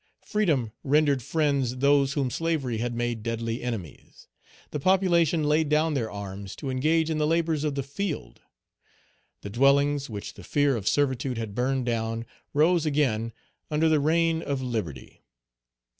Freedom rendered friends those whom slavery had made deadly enemies. The population laid down their arms to engage in the labors of the field. The dwellings, which the fear of servitude had burned down, rose again under the reign of liberty.